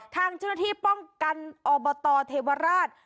ทางเจ้าหน้าที่ป้องกันอบตเทวราช